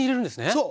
そう。